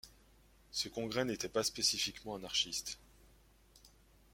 Ce congrès n'était pas spécifiquement anarchiste.